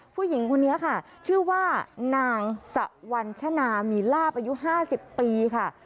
ผู้หญิงคนนี้ค่ะชื่อว่านางสวัญชนามีลาบอายุ๕๐ปีค่ะ